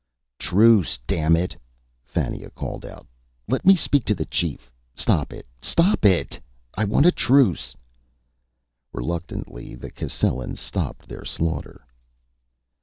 "Truce, damn it!" Fannia called out. "Let me speak to the chief. Stop it! Stop it! I want a truce!" Reluctantly, the Cascellans stopped their slaughter.